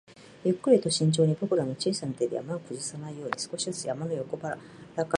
ゆっくりと慎重に、僕らの小さな手で山を崩さないように、少しずつ山の横腹から穴を掘った